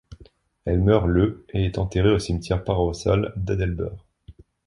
Elle meurt le et est enterrée au cimetière paroissial d'Aldeburgh.